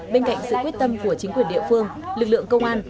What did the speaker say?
bên cạnh sự quyết tâm của chính quyền địa phương lực lượng công an